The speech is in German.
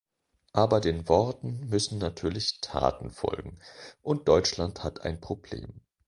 Aber den Worten müssen natürlich Taten folgen, und Deutschland hat ein Problem.